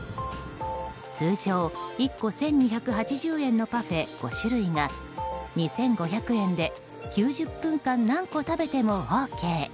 通常１個１２８０円のパフェ５種類が２５００円で９０分間、何個食べてもＯＫ。